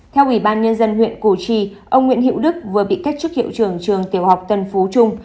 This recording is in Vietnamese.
theo ubnd huyện củ chi ông nguyễn hiệu đức vừa bị cách trức hiệu trưởng trường tiểu học tân phú trung